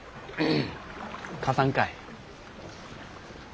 貸さんかい。